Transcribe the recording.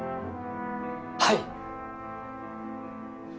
はい！